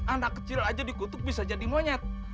anak kecil aja dikutuk bisa jadi monyet